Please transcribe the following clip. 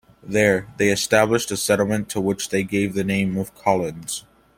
There, they established a settlement to which they gave the name of Collins.